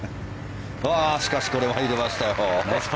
しかしこれは入りました。